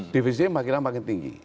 defisit makin lama makin tinggi